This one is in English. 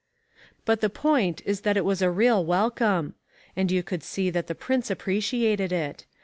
But the point is that it was a real welcome. And you could see that the prince appreciated it.